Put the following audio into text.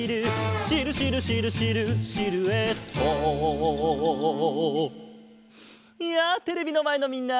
「シルシルシルシルシルエット」やあテレビのまえのみんな！